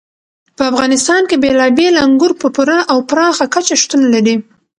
په افغانستان کې بېلابېل انګور په پوره او پراخه کچه شتون لري.